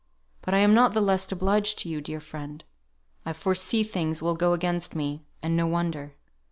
But I am not the less obliged to you, dear friend. I foresee things will go against me and no wonder.